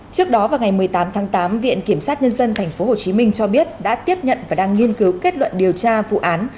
trước đó vào ngày một mươi tám tháng tám viện kiểm sát nhân dân tp hcm cho biết đã tiếp nhận và đang nghiên cứu kết luận điều tra vụ án